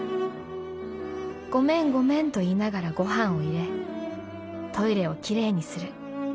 ごめんごめんと言いながらごはんを入れトイレをきれいにする。